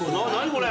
これ。